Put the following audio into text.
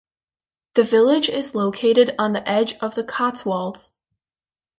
The village is located on the edge of the Cotswolds.